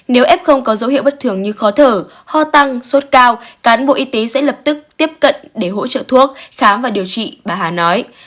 nếu f có dấu hiệu bất thường như khó thở ho tăng sốt cao cán bộ y tế sẽ lập tức tiếp cận để hỗ trợ thuốc khám và điều trị bà hà nói